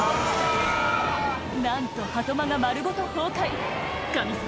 なんと波止場が丸ごと崩壊神様